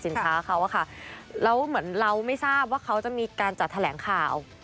เขาอะค่ะแล้วเหมือนเราไม่ทราบว่าเขาจะมีการจัดแถลงข่าว